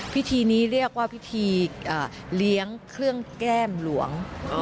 พิธีนี้เรียกว่าพิธีเลี้ยงเครื่องแก้มหลวง